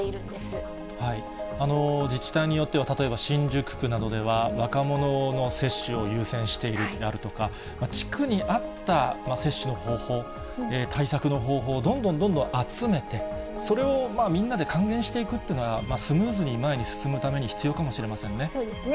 自治体によっては、例えば新宿区などでは、若者の接種を優先しているであるとか、地区に合った接種の方法、対策の方法をどんどんどんどん集めて、それをみんなで還元していくっていうのが、スムーズに前に進むたそうですね。